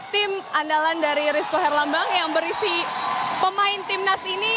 tim andalan dari rizko herlambang yang berisi pemain timnas ini